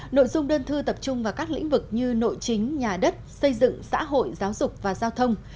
nội dung đơn thư tập trung vào các lĩnh vực như nội chính nhà đất xây dựng xã hội giáo dục và giao thông